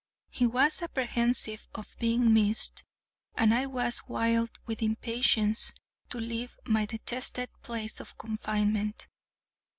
He was apprehensive of being missed, and I was wild with impatience to leave my detested place of confinement.